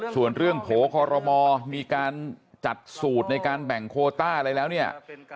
ส่วนเรื่องโผล่คอรมอมีการจัดสูตรในการแบ่งโคต้าอะไรแล้วเนี่ย